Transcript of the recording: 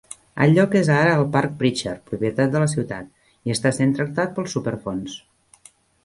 El lloc és ara el Parc Pritchard, propietat de la ciutat, i està sent tractat pel Superfons.